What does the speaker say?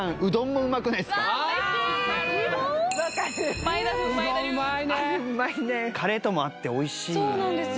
うまいねカレーとも合っておいしいそうなんですよ